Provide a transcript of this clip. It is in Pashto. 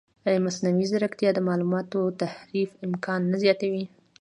ایا مصنوعي ځیرکتیا د معلوماتو تحریف امکان نه زیاتوي؟